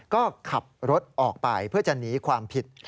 ก็ขับรถออกไปเพื่อจะหนีความผิด